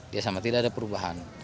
dia sama tidak ada perubahan